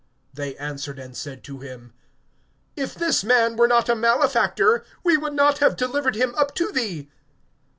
(30)They answered and said to him: If this man were not a malefactor, we would not have delivered him up to thee.